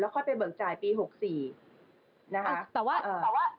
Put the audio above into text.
แล้วค่อยไปเบิกจ่ายปี๖๔นะคะ